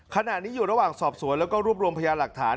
ขณะนี้อยู่ระหว่างสอบสวนแล้วก็รวบรวมพยาหลักฐาน